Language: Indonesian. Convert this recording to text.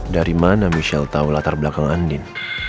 dari mana michelle tau latar belakang andien